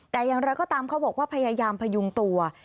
แต่อย่างไรก็ตามเขาบอกว่าพยายามพยุงตัว